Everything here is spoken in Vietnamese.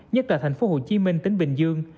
nhất là thành phố hồ chí minh tỉnh bình dương